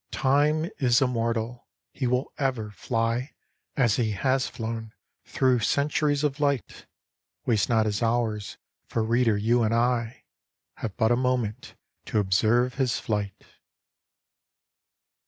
Time is Immortal — he will ever fly As he has flown thro' centuries of light : Waste not his hours, — ^for, reader, you and I Have but a moment to observe his flight